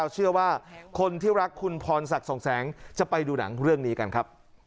เชื่อว่าคนที่รักคุณพรศักดิ์สองแสงจะไปดูหนังเรื่องนี้กันครับ